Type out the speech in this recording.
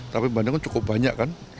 tapi bandengnya cukup banyak kan